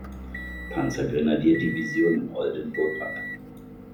Panzergrenadierdivision in Oldenburg ab.